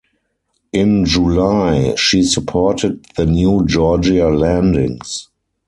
In July, she supported the New Georgia landings.